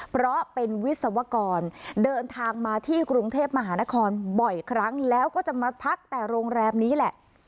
เพราะเป็นวิศวกรเดินทางมาที่กรุงเทพมหานครบ่อยครั้งแล้วก็จะมาพักแต่โรงแรมนี้แหละ